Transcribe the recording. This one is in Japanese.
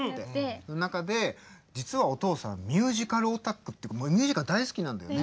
その中で実はお父さんミュージカルオタクっていうかミュージカル大好きなんだよね。